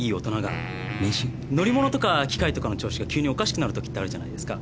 「乗り物とか機械とかの調子が急におかしくなるとき」ってあるじゃないですか。